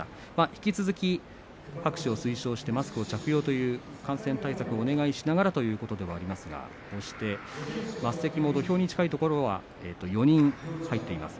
引き続き拍手を推奨してマスク着用という感染対策をお願いしながらというところもありますが升席、土俵に近いところは４人入っています。